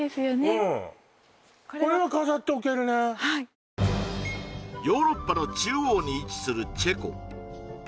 うんヨーロッパの中央に位置するチェコ